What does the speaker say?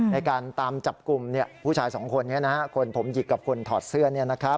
ในการตามจับกลุ่มผู้ชายสองคนนี้คนผมหยิกกับคนถอดเสื้อ